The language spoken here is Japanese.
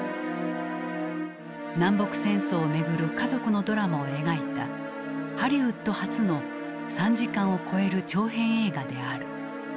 南北戦争をめぐる家族のドラマを描いたハリウッド初の３時間を超える長編映画である。